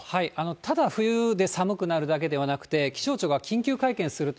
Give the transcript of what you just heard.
ただ、冬で寒くなるだけではなくて、気象庁が緊急会見すると